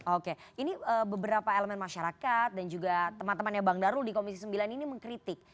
oke ini beberapa elemen masyarakat dan juga teman temannya bang darul di komisi sembilan ini mengkritik